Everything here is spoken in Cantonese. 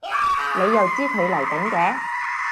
你又知佢嚟緊嘅？